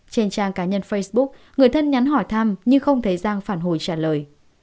trên trang cá nhân facebook người thân nhắn hỏi thăm nhưng không thấy giang phản hồi trả lời